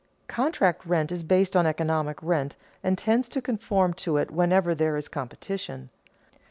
Contract rent is based on economic rent and tends to conform to it whenever there is competition.